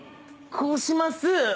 こうします。